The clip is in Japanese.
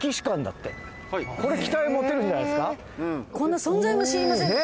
こんな存在も知りませんでした。